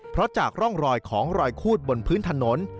เพราะจากร่องรอยของรอยคูดบนพื้นถนน